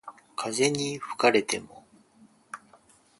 風に吹かれても